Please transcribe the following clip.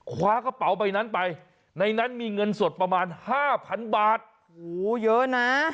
คว้ากระเป๋าใบนั้นไปในนั้นมีเงินสดประมาณห้าพันบาทโอ้โหเยอะนะ